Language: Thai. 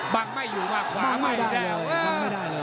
บังไม่อยู่หน้าขวาไม่ได้